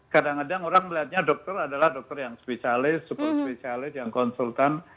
kadang kadang orang melihatnya dokter adalah dokter yang spesialis super spesialis yang konsultan